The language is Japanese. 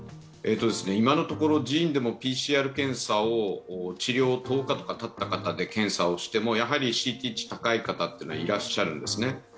今のところＰＣＲ検査を治療を１０日とかたった方を検査をしても、やはりＣｔ値が高い方はいらっしゃるんですね。